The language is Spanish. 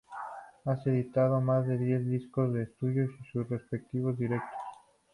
Han editado más de diez discos de estudio y sus respectivos directos.